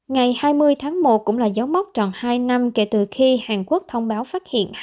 ngày hai mươi tháng một cũng là dấu mốc tròn hai năm kể từ khi hàn quốc thông báo phát hiện